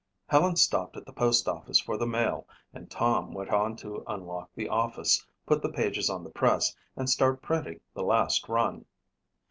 Helen stopped at the postoffice for the mail and Tom went on to unlock the office, put the pages on the press and start printing the last run.